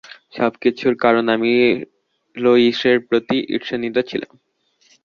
সবকিছুর কারণ আমি লোয়িসের প্রতি ঈর্ষান্বিত ছিলাম।